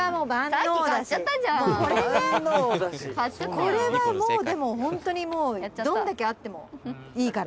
「これはもう、でも本当にどれだけあってもいいから」